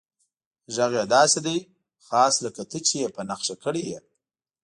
غږ یې داسې دی، خاص لکه ته چې یې په نښه کړی یې.